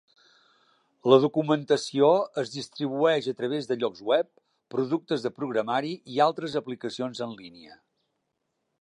La documentació es distribueix a través de llocs web, productes de programari i altres aplicacions en línia.